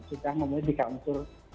sudah memiliki unsur